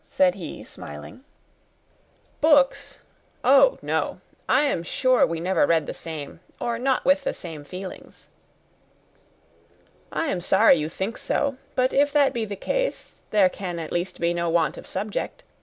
said he, smiling. "Books oh no! I am sure we never read the same, or not with the same feelings." "I am sorry you think so; but if that be the case, there can at least be no want of subject.